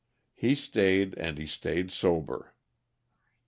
He stayed, and he stayed sober.